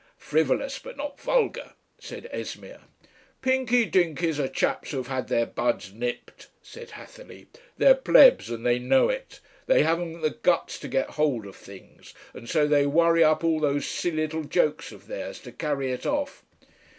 "Frivolous but not vulgar," said Esmeer. "Pinky Dinkys are chaps who've had their buds nipped," said Hatherleigh. "They're Plebs and they know it. They haven't the Guts to get hold of things. And so they worry up all those silly little jokes of theirs to carry it off."...